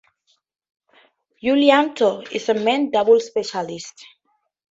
Yulianto is a men's doubles specialist.